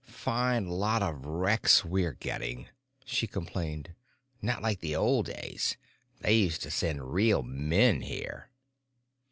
"Fine lot of wrecks we're getting," she complained. "Not like the old days. They used to send real men here."